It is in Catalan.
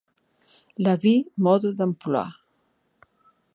La vie mode d'emploi.